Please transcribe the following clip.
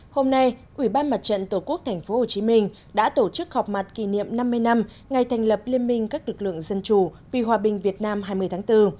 hôm nay ủy ban mặt trận tổ quốc tp hcm đã tổ chức họp mặt kỷ niệm năm mươi năm ngày thành lập liên minh các lực lượng dân chủ vì hòa bình việt nam hai mươi tháng bốn